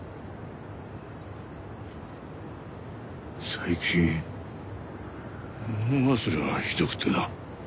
最近物忘れがひどくてな。